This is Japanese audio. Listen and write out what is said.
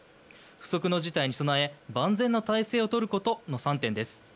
不測の事態に備え万全の態勢を取ることの３点です。